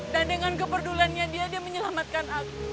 dan dengan keberduliannya dia dia menyelamatkan aku